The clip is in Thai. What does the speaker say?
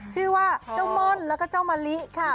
ชื่อว่าเจ้าม่อนแล้วก็เจ้ามะลิค่ะ